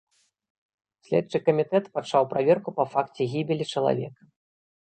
Следчы камітэт пачаў праверку па факце гібелі чалавека.